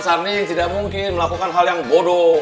sandi tidak mungkin melakukan hal yang bodoh